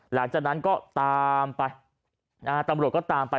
หลังจากนั้นก็ตามไปนะฮะตำรวจก็ตามไป